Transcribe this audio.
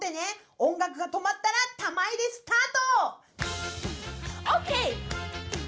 音楽が止まったら玉入れスタート！